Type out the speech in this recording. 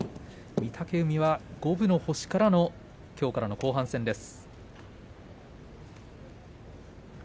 御嶽海は五分の星からのきょうからの後半戦です。